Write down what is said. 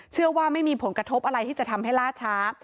เชื่อว่าไม่มีผลกระทบอะไรที่จะทำให้ล่าช้า